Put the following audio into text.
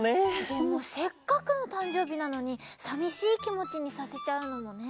でもせっかくのたんじょうびなのにさみしいきもちにさせちゃうのもね。